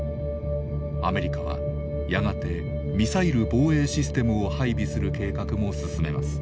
アメリカはやがてミサイル防衛システムを配備する計画も進めます。